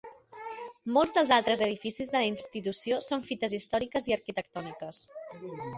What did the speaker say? Molts dels altres edificis de la Institució són fites històriques i arquitectòniques.